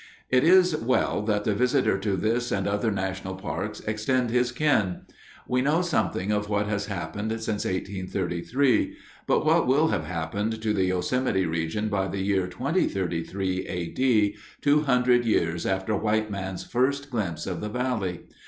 It is well that the visitor to this and other national parks extend his ken. We know something of what has happened since 1833. But what will have happened to the Yosemite region by the year 2033 A.D., two hundred years after white man's first glimpse of the valley?